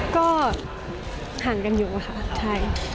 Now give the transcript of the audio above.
ก็ห่างกันอยู่เวลาค่ะ